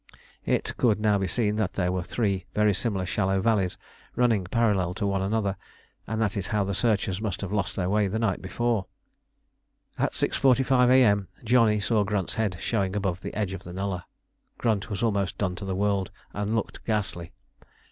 It could now be seen that there were three very similar shallow valleys running parallel to one another, and that is how the searchers must have lost their way the night before. At 6.45 A.M. Johnny saw Grunt's head showing above the edge of the nullah. Grunt was almost done to the world and looked ghastly.